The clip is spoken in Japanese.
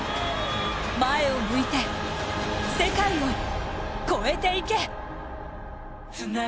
前を向いて、世界を超えていけ。